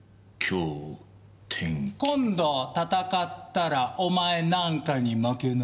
今度戦ったらお前なんかに負けなーい。